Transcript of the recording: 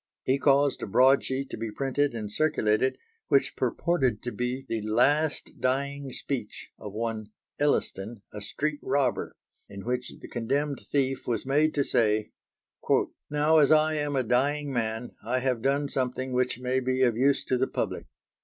He caused a broad sheet to be printed and circulated which purported to be the "last dying speech" of one Elliston, a street robber, in which the condemned thief was made to say: "Now as I am a dying man, I have done something which may be of use to the public.